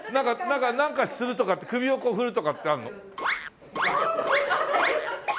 なんかするとかって首を振るとかってあるの？